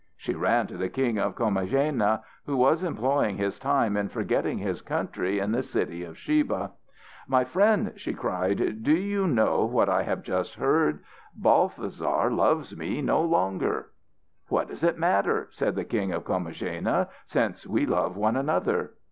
She ran to the King of Comagena who was employing his time in forgetting his country in the city of Sheba. "My friend," she cried, "do you know what I have just heard? Balthasar loves me no longer!" "What does it matter," said the King of Comagena, "since we love one another?"